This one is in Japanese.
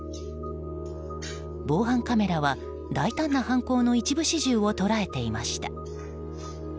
防犯カメラは大胆な犯行の一部始終を捉えていました。